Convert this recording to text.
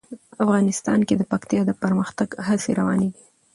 افغانستان کې د پکتیا د پرمختګ هڅې روانې دي.